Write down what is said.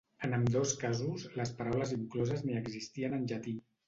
En ambdós casos, les paraules incloses ni existien en llatí.